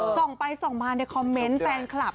ส่องไปส่องมาในคอมเมนต์แฟนคลับ